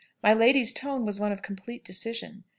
My lady's tone was one of complete decision.